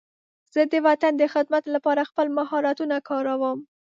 زه د وطن د خدمت لپاره خپل مهارتونه کاروم.